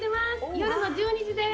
夜の１２時です。